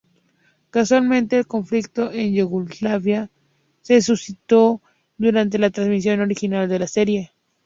Casualmente, el conflicto en Yugoslavia se suscitó durante la transmisión original de la serie.